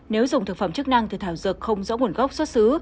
nếu dùng thực phẩm chức năng thì thảo dược không rõ nguồn gốc xuất xứ